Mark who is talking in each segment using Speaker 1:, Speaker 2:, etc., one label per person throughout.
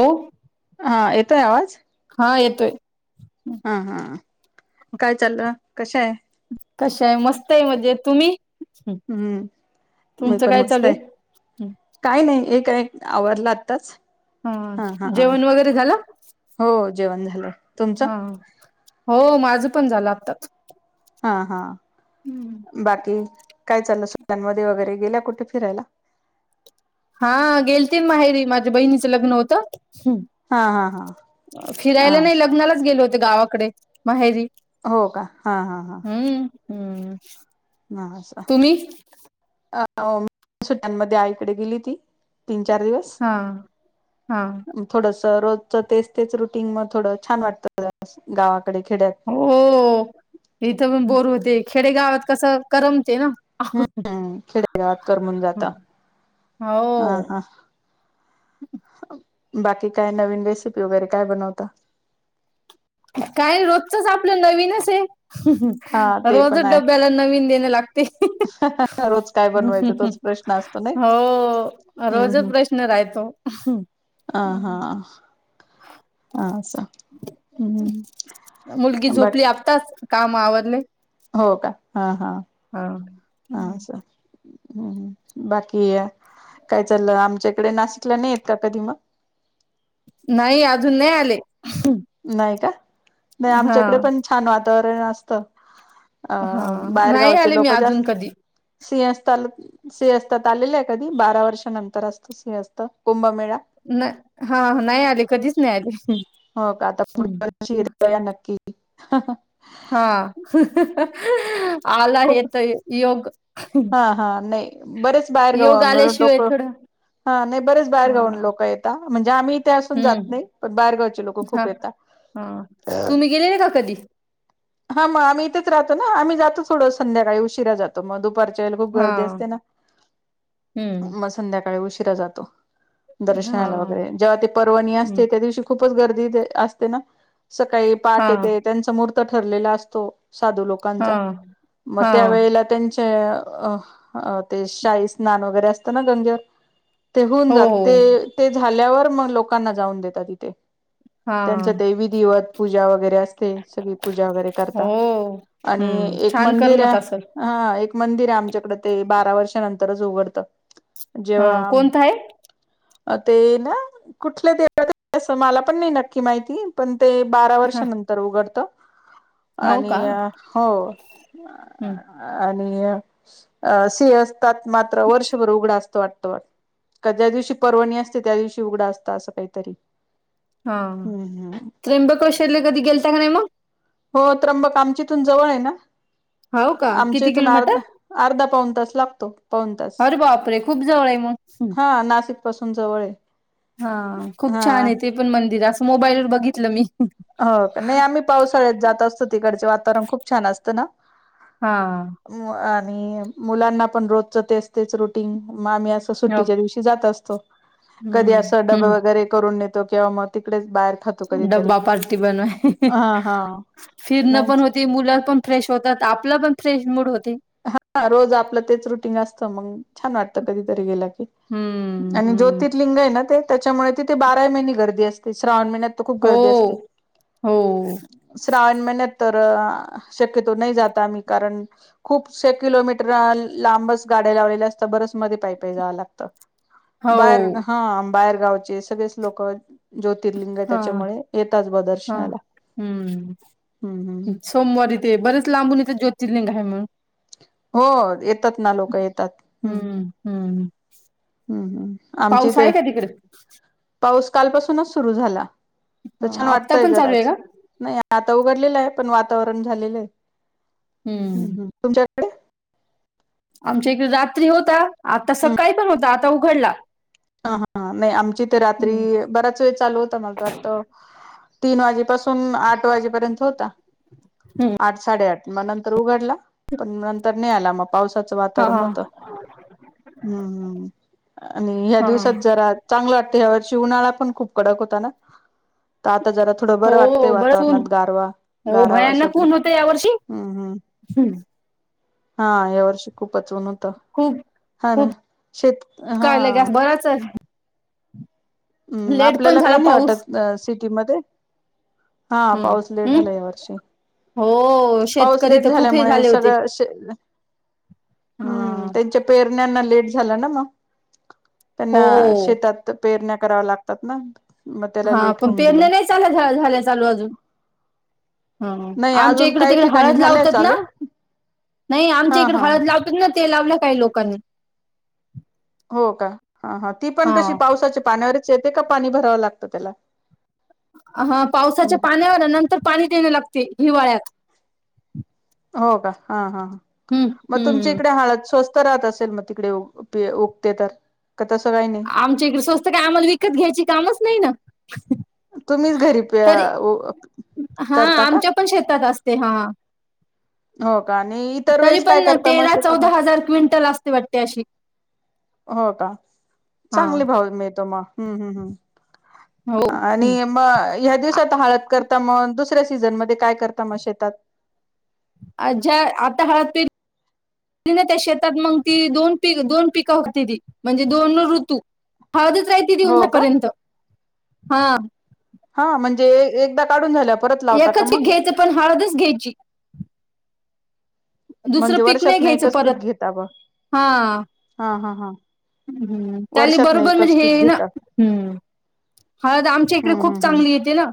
Speaker 1: हो,
Speaker 2: हा येतोय आवाज?
Speaker 1: हा येतोय.
Speaker 2: हा हा काय चाललं कशा आहे?
Speaker 1: कशा आहे मस्त आहे. म्हणजे तुम्ही?
Speaker 2: हम्म मी
Speaker 1: तुमचं
Speaker 2: पण
Speaker 1: काय
Speaker 2: मस्त
Speaker 1: चालू
Speaker 2: आहे काय नाही एकय आवरला आताच?
Speaker 1: [inaudible] हा जेवण वगैरे झालं?
Speaker 2: हो जेवण झालं. तुमचं
Speaker 1: हा, हो माझं पण झालं आताच.
Speaker 2: हा हा. बाकी काय चाललं संमध्ये वगैरे? गेल्या कुठे फिरायला?
Speaker 1: हा -गेलतील माहेरी माझ्या बहिणीचं लग्न होतं. हम्
Speaker 2: हा हा हा
Speaker 1: [inaudible]
Speaker 2: हा
Speaker 1: फिरायला नाही लग्नालाच गेले होते गावाकडे माहेरी.
Speaker 2: हो का हा हा हा.
Speaker 1: हम्म.
Speaker 2: ह
Speaker 1: तुम्ही
Speaker 2: मी [unintelligible] सुट्ट्यामध्ये आईकडे गेली ती? तीन चार दिवस
Speaker 1: हा हा
Speaker 2: [inaudible] थोडस! रोजच तेच तेच रुटीन मग थोडं छान वाटतं गावात.
Speaker 1: हो, इथं पण बोलू होते खेडेगावात कसं करमते ना.
Speaker 2: हम्म हम् खेडेगावात करमून जात हा
Speaker 1: हो
Speaker 2: हा. [inaudible] बाकी काय नवीन रेसिपी वगैरे काय बनवता?
Speaker 1: काय रोजचच आपलं नवीन अस आहे.
Speaker 2: हा ते पण
Speaker 1: रोजच
Speaker 2: आहे
Speaker 1: डब्याला नवीन देणे लागते..
Speaker 2: रोज काय बनवायचं तोच प्रश्न असतो नाही
Speaker 1: हो रोजच प्रश्न राहतो?
Speaker 2: आ हा, अस हम्
Speaker 1: मुलगी झोपली
Speaker 2: बाकी.
Speaker 1: आताच काम आवडले?
Speaker 2: हो का हा हा हा, हम् बाकी य काय चाललं, आमच्या इकडे नाशिकला नाही येत का? कधी मग.
Speaker 1: नाही अजून नाही आले
Speaker 2: नाही का नाही
Speaker 1: हा
Speaker 2: आमच्याकडे पण छान वातावरण असत
Speaker 1: हा
Speaker 2: अं
Speaker 1: नाही
Speaker 2: बाहेरगावचे
Speaker 1: आले मी
Speaker 2: लोक
Speaker 1: अजून
Speaker 2: जास्त
Speaker 1: कधी
Speaker 2: सिंहस्ता सिंहस्तात आलेले आहे कधी बारा वर्षानंतर असतो सिंहस्त कुंभमेळा
Speaker 1: हा नाही आले कधीच नाही आले.
Speaker 2: हो का आता पुढ शिर नक्की
Speaker 1: हा आला हे
Speaker 2: खूप
Speaker 1: तर योग
Speaker 2: हा हा नाही बरेच बाहेर
Speaker 1: योग
Speaker 2: गाऊ
Speaker 1: आल्याशिवाय
Speaker 2: लोक
Speaker 1: थोडं
Speaker 2: हा नाही बरेच
Speaker 1: हा
Speaker 2: बाहेरगावून लोक येतात म्हणजे आम्हीथे असून जात
Speaker 1: हम्म
Speaker 2: नाही पण बाहेरगावचे लोक खूप
Speaker 1: हा
Speaker 2: येतात.
Speaker 1: हा तुम्ही गेलेले का कधी
Speaker 2: हा मग आम्ही इथेच राहो ना आम्ही जातो थोडं संध्याकाळी उशिरा जातो मग दुपारच्या खूप
Speaker 1: हा
Speaker 2: गर्दी असते ना
Speaker 1: हम्म.
Speaker 2: मग संध्याकाळी उशिरा जातो
Speaker 1: हा
Speaker 2: दर्शनाला वगैरे जेव्हा ते परर्वणी
Speaker 1: हम्म.
Speaker 2: असते त्या दिवशी खूपच गर्दी असते ना सकाळी
Speaker 1: हा
Speaker 2: पाठ येते त्यांचा मूर्त ठरलेला असतो साधू
Speaker 1: हा
Speaker 2: लोकांचा मग
Speaker 1: हा
Speaker 2: त्यावेळेला त्यां अ अ ते शाई स्नान वगैरे असतं ना गंगे ते होऊन
Speaker 1: हो
Speaker 2: जात
Speaker 1: हो.
Speaker 2: ते ते झाल्यावर मग लोकांना जाऊन देतात तिथे
Speaker 1: हा
Speaker 2: त्यांचं देवी दिवत पूजा वगैरे अस पूजा वगैरे
Speaker 1: हो हम्म
Speaker 2: एक
Speaker 1: छान
Speaker 2: मंदिर
Speaker 1: करमत असल.
Speaker 2: मंदिर आहे आमच्याकडे ते बारा वर्षानंतरच उघडत
Speaker 1: हा कोणत आहे
Speaker 2: अ ते ना कुठल्या देवात अस मला पण नाही नक्की माहिती पण ते बारा
Speaker 1: हा
Speaker 2: वर्षानंतर उघडतं.
Speaker 1: हो का
Speaker 2: आणि हो
Speaker 1: हम्म
Speaker 2: आणि अ से असतात मात्र वर्षभर उघडा असत वाटत ज्या दिवशी पर्वणी असते त्या दिवशी उघडा असता असं काहीतरी
Speaker 1: हा
Speaker 2: हम्म हम्
Speaker 1: त्र्यंबक शरले कधी गेलता का नाही मग
Speaker 2: हो त्र्यंबक आमच्या इथून जवळ आहे ना
Speaker 1: हो का
Speaker 2: आमच्या
Speaker 1: किती
Speaker 2: इथून
Speaker 1: किलोमीटर?
Speaker 2: आर्ध अर्धा पाऊन तास लागतो पन तास
Speaker 1: अरे बापरे! खूप जवळ आहे मग.
Speaker 2: हा नाशिक पासून जवळ आहे
Speaker 1: हा खूप छान
Speaker 2: हा
Speaker 1: आहे ते पण मंदिर असं मोबाईलवरर बघितलं मी
Speaker 2: हो का नाही आम्ही पावसाळ्यात जात असतो तिकडचे वातावरण खूप छान असतं ना
Speaker 1: हा
Speaker 2: आणि मुलांना पण रोजच ते असतेच रुटीन मग आम्ही अस
Speaker 1: हो
Speaker 2: सुट्टीच्या दिवशी जात असतो कधी
Speaker 1: हम्म
Speaker 2: अस डब
Speaker 1: हम्म
Speaker 2: वगैरे करून किंवा मग तिकडेच बाहेर खातो कधीतरी हा हा
Speaker 1: फिण
Speaker 2: नाही
Speaker 1: पण मु पण फ्रेश होतात आपला पण फ्रेश मूड होत
Speaker 2: हा रोज आपलं तेच रुटीन असतं मग छान वाटत कधीतरी गेला क
Speaker 1: हम्म,
Speaker 2: आणि
Speaker 1: हम्म.
Speaker 2: ज्योतिर्लिंग आहे ना ते त्याच्यामुळे तिथे बारा महिने गर्दी असते श्रावण महिन्यात खूप
Speaker 1: हो,
Speaker 2: गर्दी असते
Speaker 1: हो,
Speaker 2: ण महिन्यात तर शक्यतो नाही जात आम्ही कारण खूपशे किलोमीटर लांबच गाड्या लावलेल्या असत बरच मध्ये पायप जावं लागतं बाहेर
Speaker 1: हो.
Speaker 2: हा बाहेरगावचे सगळेच लोक ज्योतिर्लिंग आहे
Speaker 1: हां,
Speaker 2: त्याच्यामुळे येतच ब
Speaker 1: हां.
Speaker 2: दर्शनाला
Speaker 1: हम्म सोमवारी इ ते बरेच लांबून इथं ज्योतिर्लिंग आहे म्हणून
Speaker 2: हो येतात ना लोक येत
Speaker 1: हम्म हम्म
Speaker 2: हम्म हम् आमची
Speaker 1: पाऊस
Speaker 2: ते
Speaker 1: आहे का तिकडे?
Speaker 2: पाऊस काल पासूनच सुरु झाला तर
Speaker 1: हां,
Speaker 2: छान
Speaker 1: आत्ता
Speaker 2: वाटतय
Speaker 1: पण चालू आहे
Speaker 2: जराज
Speaker 1: का?
Speaker 2: नाही आता उघडले पण वातावरण झालं
Speaker 1: हम्म.
Speaker 2: तुमच्या
Speaker 1: आमच्या इकडे रात्री होता आता
Speaker 2: ह
Speaker 1: सकाळी पण होता आता उघडला
Speaker 2: हा हा नाही आमची तर
Speaker 1: हं,
Speaker 2: रात्री बराच वेळ चालू होता मला तर वाटत तीन वाजेपासून आठ वाजेपर्यंत होता
Speaker 1: हं.
Speaker 2: आठ साडेआठ मग नंतर उघडला पण नंतर नाही आला मग पावसाचं वातावरण
Speaker 1: हां,
Speaker 2: होत् आणि
Speaker 1: हां.
Speaker 2: दिवात जरा चांग वाटत ह्या वर्षी उन्हाळा पण खूप कडक होता ना आता जरा थोडं बरं वाटतंय
Speaker 1: हो, बरंच ऊन.
Speaker 2: वातावरणात गारवा
Speaker 1: हो,
Speaker 2: गारावा असटलं हम्म हम्
Speaker 1: हम्म
Speaker 2: हा या वर्षी खूपच ऊन हो त
Speaker 1: खूप
Speaker 2: हा ना
Speaker 1: खूप
Speaker 2: शेत हा
Speaker 1: काय लगे बराच
Speaker 2: हम्म
Speaker 1: लेट पण
Speaker 2: आपल्याला
Speaker 1: झाला
Speaker 2: काही नाही
Speaker 1: पाऊस
Speaker 2: वाटत सिटीमध्ये हा
Speaker 1: हं
Speaker 2: पाऊस लेट
Speaker 1: हं
Speaker 2: झाला या वर्षी
Speaker 1: हो
Speaker 2: पाऊस
Speaker 1: शेतकरी
Speaker 2: लेट
Speaker 1: तर खूप हे
Speaker 2: झाल्यामुळे
Speaker 1: झाले होते.
Speaker 2: सगळंे
Speaker 1: हा
Speaker 2: हम्म त्यांच्या पेरण्यांना लेट झाला ना मग
Speaker 1: हो
Speaker 2: त्यांना शेतात पेरण्या कराव्या लागतात ना. मग त्याला
Speaker 1: हा
Speaker 2: लेट
Speaker 1: पण
Speaker 2: होऊन गेलं
Speaker 1: पेरने नाही चाल झालं चालू अजून ह
Speaker 2: नाही
Speaker 1: आमच्या
Speaker 2: अजून
Speaker 1: इकडे
Speaker 2: काही
Speaker 1: तिकडे
Speaker 2: ठिकाणी
Speaker 1: हळद
Speaker 2: झालंय
Speaker 1: लावतात ना
Speaker 2: चालू
Speaker 1: नाही आमच्या
Speaker 2: हा
Speaker 1: इकडे
Speaker 2: हा
Speaker 1: हळद लावतात ना ते लावलं काय लोकांनी
Speaker 2: हो का ह हा ती पण कशी पावसाच्या पाण्यावरच येते का पाणी भरावं लागतं त्याला
Speaker 1: हा
Speaker 2: हम्म.
Speaker 1: पावसाच्या पाण्यावर नंतर पाणी देणे लागते हिवाळ्यात
Speaker 2: हो का हा हा
Speaker 1: हं
Speaker 2: मग तुमची
Speaker 1: हं
Speaker 2: इकडे हळत स्वस्त स्वस्त राहत असेल मग तिकडे उगते तर का तसं काही नाही
Speaker 1: आमच्या इकडे स्वस्त काय आम्हाला विकत घ्यायची कामच नाही ना
Speaker 2: तुम्हीच घरी
Speaker 1: त
Speaker 2: पे- उ-
Speaker 1: हा
Speaker 2: करता का
Speaker 1: आमच्या पण शेतात असत ते हा
Speaker 2: हो का आणि इतर
Speaker 1: तरी
Speaker 2: वेळेस काय
Speaker 1: पण
Speaker 2: करता मग
Speaker 1: तेला चौदा
Speaker 2: शेतामध्ये
Speaker 1: हजार क्विंटल असते वाटते अशी
Speaker 2: हो का
Speaker 1: हा
Speaker 2: चांगले भाव मिळतो मग हम्म हम् हम्.
Speaker 1: हो
Speaker 2: आणि मग ह दिवसता हळद कर आ मग दुसऱ्या सीझन मध्ये काय करता मग शेतात
Speaker 1: अच्छा, आता हळद पे शेतात ना त्या शेतात मग ती दोन पी दोन पिकं होती ती म्हणजे दोन ऋतू. हळदच राहती या
Speaker 2: हो
Speaker 1: दिवसा
Speaker 2: का
Speaker 1: पर्यंत . हा
Speaker 2: हा म्हणजे एकदा काढून झाल्या परत लावता का
Speaker 1: एकच
Speaker 2: मग
Speaker 1: घ्यायचं पण हळदच घ्यायची. दुसरं
Speaker 2: म्हणजे
Speaker 1: पिक. नाही
Speaker 2: वर्षातन
Speaker 1: घ्यायचं
Speaker 2: एकच पीक
Speaker 1: परत.
Speaker 2: घेता ब
Speaker 1: हा
Speaker 2: हा हा हा
Speaker 1: हम्म त्याले
Speaker 2: वर्षातन
Speaker 1: बरोबर म्हणजे
Speaker 2: एकच पीक
Speaker 1: हे ना
Speaker 2: घेता
Speaker 1: हम् हा तर आमच्या इकडे
Speaker 2: हम्म
Speaker 1: खूप चांगली येते ना.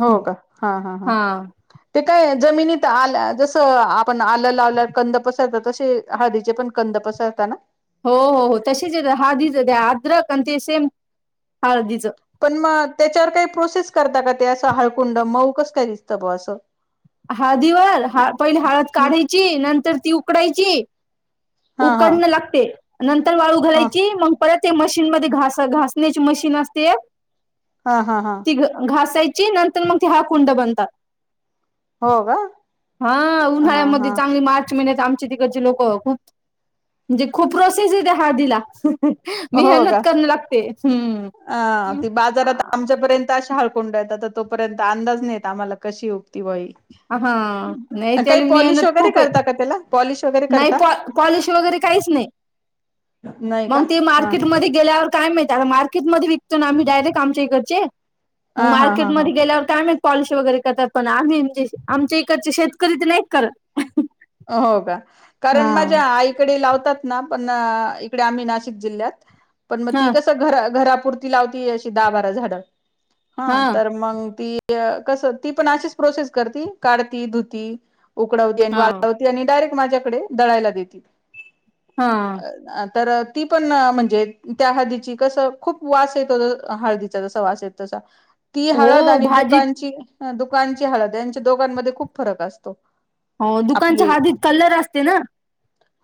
Speaker 2: होका, हा हा हा ते काय जमिनीत आल्या जस आपण आलं लावल्या कंद पसरतात तसे हळदीचे पण कंद तपसरत ना.
Speaker 1: हो हो हो तशीच येत हळदीच ते अद्रक आणि ते सेम हळदीच
Speaker 2: पण मग त्याच्यावर काही प्रोसेस करता का ते असं हाळकुंड मऊ कस काय दिसतं ब असं
Speaker 1: हळदीवाल पहिली हळद
Speaker 2: हम्म
Speaker 1: काढायची नंतर ती उकडायची
Speaker 2: हा हा
Speaker 1: उकडणं लागते नंतर वाळू
Speaker 2: हा
Speaker 1: घालायची मग परत ते मशीन मध्ये घास घासण्याची मशीन असते
Speaker 2: हा हा हा
Speaker 1: ती घसायची जि नंतर मग ते हळकुंड बनतात
Speaker 2: हो का
Speaker 1: हा
Speaker 2: हा
Speaker 1: उन्हाळ्यामध्ये
Speaker 2: हा
Speaker 1: चांगली मात महिन्यात आमचे तिकडचे लोक खूप म्हणजे खूप प्रोसेस ये त्या हळदीला.
Speaker 2: हो का
Speaker 1: मेहनत करून लागते ह्म
Speaker 2: अ ती बाजारात आमच्यापर्यंत अशा हाळकुंड तोपर्यंत अंदाज नाहीेत आम्हाला कशी उगती
Speaker 1: हा नाही
Speaker 2: काही
Speaker 1: त्याला
Speaker 2: पॉलिश
Speaker 1: मेहनत
Speaker 2: वगैरे
Speaker 1: खूप
Speaker 2: करता
Speaker 1: आहे
Speaker 2: का त्याला? पॉलिश वगैरे
Speaker 1: नाही
Speaker 2: करता
Speaker 1: पॉलिश वगैरे काहीच नाही
Speaker 2: नाही का
Speaker 1: मग ते
Speaker 2: हा
Speaker 1: मार्केटमध्ये गेल्यावर काय माहित मार्केटमध्ये विकतोना आम्ही डायरेक्ट आमच्या इकडचे मग
Speaker 2: हा हा हा हा
Speaker 1: मार्केटमध्ये गेल्यावर काय माहित पॉलिश वगैरे करतात पण आम्ही म्हणजे आमच्या इकडचे शेतकरी तर नाही करत
Speaker 2: हो का कारण
Speaker 1: हा.
Speaker 2: माझ्या आईकडे लावतात. लावतात ना इकडे आम्ही नाशिक जिल्हात पण मग
Speaker 1: हा
Speaker 2: ती कसं घरात पुरती लावती दहा-बारा झाड हा मग ती कसं ती पण अशीच प्रोसेस कर काढती धुती उकडवती आणि
Speaker 1: हा
Speaker 2: वाळवती आणि डायरेक्ट माझ्याकडे दळायला देती
Speaker 1: हा
Speaker 2: तर ती पण म्हणजे त्या हळदीची कसं खूप वास येतो हळदीचा जसा वास येतो तसा ती हळद
Speaker 1: हो
Speaker 2: आणि
Speaker 1: भाजीत
Speaker 2: दुकानची दुकानची हळद यांच्या दोघांमध्ये खूप फरक असतो.
Speaker 1: हो दुकानच्या
Speaker 2: आपली
Speaker 1: हळदीत कलर असते ना?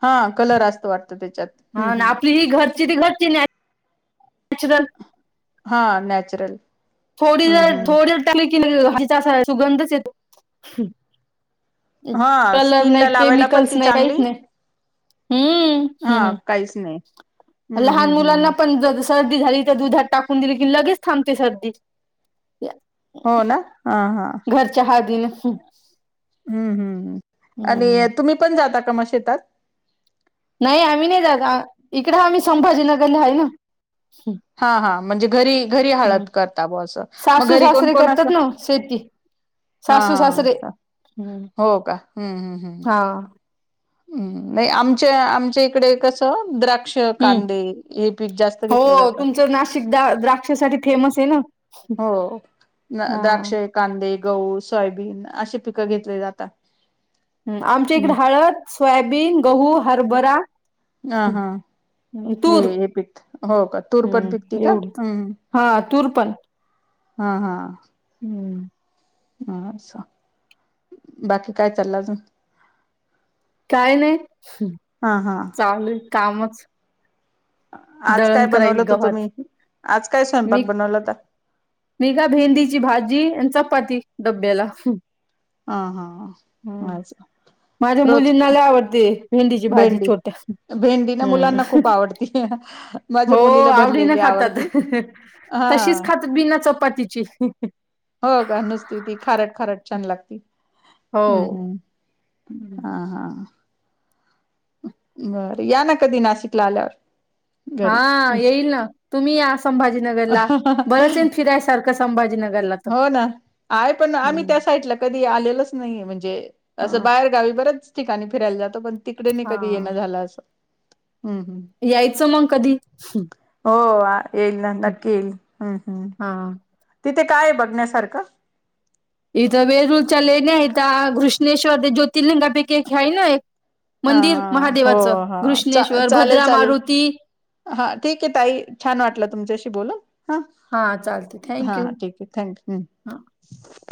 Speaker 2: हा कलर असतो वाटतं. त्याच्यात हम्म
Speaker 1: हा ना
Speaker 2: हम्म
Speaker 1: आपली हि घरची ती घरची नॅचरल
Speaker 2: हा नॅचरल
Speaker 1: थोडी
Speaker 2: हम्म
Speaker 1: जर थोडी
Speaker 2: हम्म
Speaker 1: जर टाकली की नाही लगेच सुगंधच येतो.
Speaker 2: हा
Speaker 1: कलर नाही
Speaker 2: स्किनला लावायला पण
Speaker 1: केमिकल्स
Speaker 2: ती
Speaker 1: नाही काहीच
Speaker 2: चांगली
Speaker 1: नाही. हम्म
Speaker 2: हा
Speaker 1: हम्म
Speaker 2: काहीच नाही हम्म
Speaker 1: लहान
Speaker 2: हम्म
Speaker 1: मुलांना
Speaker 2: हम्म
Speaker 1: पण जर सर्दी झाली तर दुधात टाकून दिली की लगेच थांबते सर्दी.
Speaker 2: हो ना हा
Speaker 1: घरच्या हळदीने हम्म.
Speaker 2: आणि तुम्ही पण जाता का? का मग शेतात?
Speaker 1: नाही आम्ही नाही जात इकडं आम्ही संभाजीनगरला आहे ना
Speaker 2: हा हा म्हणजे घरी घरी
Speaker 1: हम्म
Speaker 2: हळद करता बर असं मग
Speaker 1: सासू
Speaker 2: घरी कोण
Speaker 1: सासरे
Speaker 2: कोण असतं?
Speaker 1: करतात ना शेती
Speaker 2: हा
Speaker 1: सासू
Speaker 2: हा
Speaker 1: सासरे
Speaker 2: हा हो का हम्म हम्म हम्म.
Speaker 1: हा
Speaker 2: हम्म नाही आमच्या आमच्या इकडे कसं द्राक्षे द्राक्षे
Speaker 1: हम्म
Speaker 2: कांदे हे पीक जास्त
Speaker 1: हो
Speaker 2: घेतलं जातं.
Speaker 1: तुमचं नाशिक दा द्राक्षासाठी फेमस आहे ना
Speaker 2: हो
Speaker 1: हा
Speaker 2: द्राक्ष कांदे गहू सोयाबीन असे पिकं घेतले जातात.
Speaker 1: हम्म आमच्या इकडे
Speaker 2: हम्म
Speaker 1: हळद सोयाबीन गहू हरभरा
Speaker 2: अ हा
Speaker 1: तूर
Speaker 2: हे पिक हो का तूर पण पिकती
Speaker 1: हम्म
Speaker 2: का
Speaker 1: एवढी
Speaker 2: हम्म.
Speaker 1: हा तूर पण
Speaker 2: हा हा
Speaker 1: हम्म.
Speaker 2: असं बाकी काय चाललंय आजून?
Speaker 1: काही नाही
Speaker 2: हा हा
Speaker 1: चालूय कामच
Speaker 2: आज काय
Speaker 1: दळण
Speaker 2: बनवल
Speaker 1: करायल
Speaker 2: हो
Speaker 1: गव्हात
Speaker 2: तुम्ही आज काय स्वयंपाक
Speaker 1: मी
Speaker 2: बनवलाता?
Speaker 1: मी का भेंडीची भाजी आणि चपाती डब्याला
Speaker 2: हा हा
Speaker 1: हम्म
Speaker 2: असं
Speaker 1: माझ्या
Speaker 2: रोज
Speaker 1: मुलींनाला आवडते भेंडीची भाजी
Speaker 2: भेंडी
Speaker 1: छोट्या
Speaker 2: भेंडी ना मुलांना
Speaker 1: हम्म
Speaker 2: खूप आवडती माझ्या
Speaker 1: हो
Speaker 2: मुलीला
Speaker 1: आवडीनी
Speaker 2: भरलेली
Speaker 1: खातात
Speaker 2: आवडती हा
Speaker 1: तशीच खातात बिना चपातीची
Speaker 2: हो का नुसती ती खारट खारट छान लागती
Speaker 1: हो
Speaker 2: हम्म हम्म. हा हा. बरं या ना कधी नाशिकला आल्यावर घरी
Speaker 1: हा येईल ना तुम्ही या संभाजीनगरला बरंच येना फिरायसारखं संभाजीनगर
Speaker 2: हो ना आहे पण आम्ही त्या साईडला कधी आलेलोच नाही म्हणजे असं
Speaker 1: हा
Speaker 2: बाहेर गावी बरंच ठिकाणी फिरायला जातो. पण तिकडे न
Speaker 1: हा
Speaker 2: कधी येण झालं असं हम्म हम्म
Speaker 1: यायचं मग कधी
Speaker 2: हो येईल ना नक्की येईल हम्म हम्म
Speaker 1: हा
Speaker 2: तिथे काय बघण्यासारखं
Speaker 1: इथं वेरूळच्या लेणी आहेत घुश्मेश्वर ज्योतिर्लिंग पैकी ख्याय ना एक
Speaker 2: हा
Speaker 1: मंदिर
Speaker 2: हा हो
Speaker 1: महादेवाचं
Speaker 2: हा चा
Speaker 1: घृष्णेश्वर
Speaker 2: चालेल
Speaker 1: भद्रा
Speaker 2: चालेल
Speaker 1: मारुती
Speaker 2: हा ठीक आहे. ताई छान वाटलं तुमच्याशी बोलून हा
Speaker 1: चालते
Speaker 2: हा
Speaker 1: थँक्यू
Speaker 2: ठीक आहे.
Speaker 1: हा
Speaker 2: थँकम्